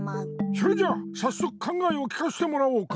それじゃあさっそくかんがえをきかしてもらおうか。